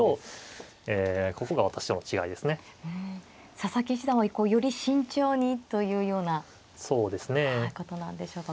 佐々木七段はこうより慎重にというようなことなんでしょうか。